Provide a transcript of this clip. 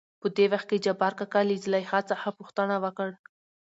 .په دې وخت کې جبارکاکا له زليخا څخه پوښتنه وکړ.